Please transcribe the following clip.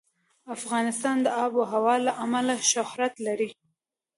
افغانستان د آب وهوا له امله شهرت لري.